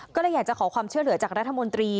ก็เลยอยากจะขอความช่วยเหลือจากรัฐมนตรี